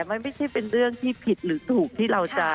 มันไม่ใช่เป็นเรื่องที่ผิดหรือถูกที่เราจะ